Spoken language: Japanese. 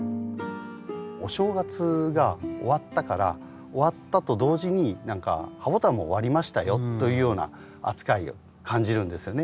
お正月が終わったから終わったと同時に何かハボタンも終わりましたよというような扱いを感じるんですよね。